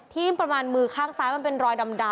ประมาณมือข้างซ้ายมันเป็นรอยดำ